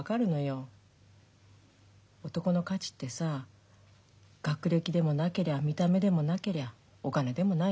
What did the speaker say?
男の価値ってさ学歴でもなけりゃ見た目でもなけりゃお金でもないなって。